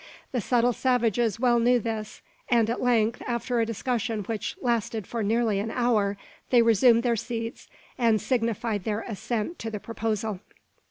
The subtle savages well knew this; and at length, after a discussion which lasted for nearly an hour, they resumed their seats, and signified their assent to the proposal.